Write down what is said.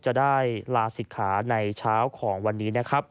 จะได้ลาศิกขาในเช้าของวันนี้